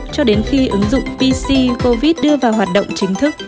cho đến khi ứng dụng pc covid đưa vào hoạt động chính thức